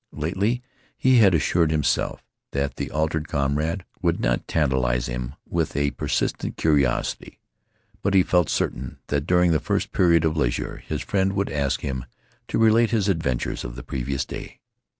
Lately, he had assured himself that the altered comrade would not tantalize him with a persistent curiosity, but he felt certain that during the first period of leisure his friend would ask him to relate his adventures of the previous day.